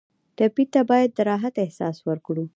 ټپي ته باید د راحت احساس ورکړو.